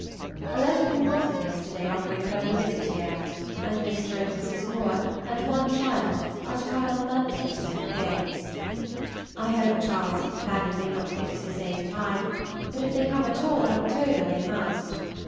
A letter from Wrotham yesterday offering an early visit here, and Mr. and Mrs. Moore and one child are to come on Monday for ten days. I hope Charles and Fanny may not fix the same time, but if they come at all in October they must.